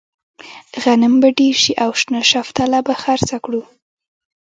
غنم به ډېر شي او شنه شفتله به خرڅه کړو.